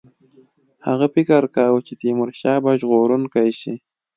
هغه فکر کاوه چې تیمورشاه به ژغورونکی شي.